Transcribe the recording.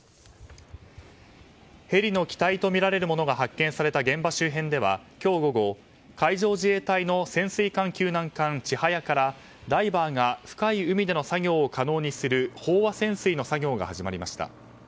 ヘリの機体とみられるものが発見された現場周辺では今日午後、海上自衛隊の潜水艦救難艦「ちはや」からダイバーが深い海での作業を可能にする飽和潜水の作業が始まりました。